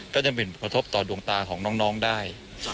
ก็จะมีผลกระทบต่อดวงตาของน้องได้